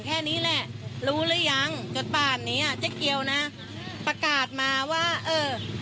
แค่นี้แหละรู้หรือยังจนป่านนี้อ่ะเจ๊เกียวนะประกาศมาว่าเออ